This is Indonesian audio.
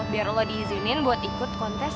biar allah diizinin buat ikut kontes